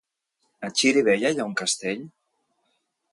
A Xirivella hi ha un castell?